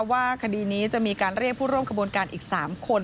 ว่าคดีนี้จะมีการเรียกผู้ร่วมขบวนการอีก๓คน